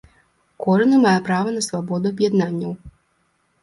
Кожны мае права на свабоду аб’яднанняў.